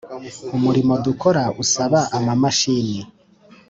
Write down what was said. umurimo dukora usaba ama mashini